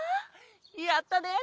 やったね！